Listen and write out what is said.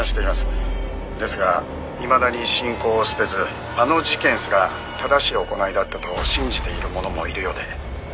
「ですがいまだに信仰を捨てずあの事件すら正しい行いだったと信じている者もいるようで」